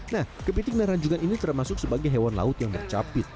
nah kepiting dan ranjungan ini termasuk sebagai hewan laut yang bercapit